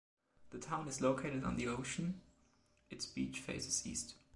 The town is located on the ocean, it’s beach faces east.